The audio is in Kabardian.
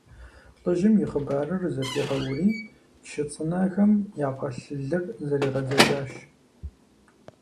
ЛӀыжьым и хъыбарыр зэпигъэури, чы цӀынэхэм яфӀэлъ лыр зэригъэдзэкӀащ.